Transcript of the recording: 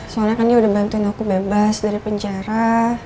soalnya kan dia udah bantuin aku bebas dari penjara